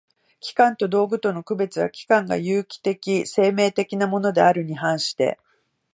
器官と道具との区別は、器官が有機的（生命的）なものであるに反して